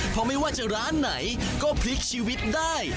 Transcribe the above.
เพราะไม่ว่าจะร้านไหนก็พลิกชีวิตได้